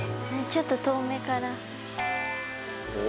ちょっと遠めから。